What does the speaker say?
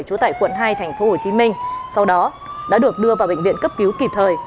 trú tại quận hai tp hcm sau đó đã được đưa vào bệnh viện cấp cứu kịp thời